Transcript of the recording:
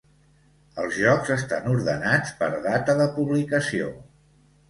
Els jocs estan ordenats per data de publicació.